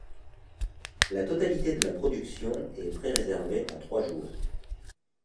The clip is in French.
La totalité de la production est pré-réservée en trois jours.